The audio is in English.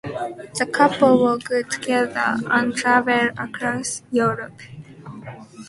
The couple worked together and travelled across Europe.